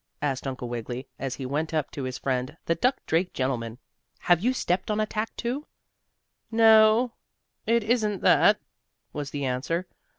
asked Uncle Wiggily, as he went up to his friend, the duck drake gentleman. "Have you stepped on a tack, too?" "No, it isn't that," was the answer.